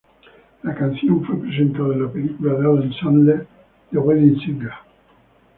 La canción fue presentada en la película de Adam Sandler The Wedding Singer.